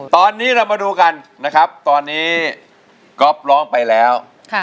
ตอนนี้เรามาดูกันนะครับตอนนี้ก๊อฟร้องไปแล้ว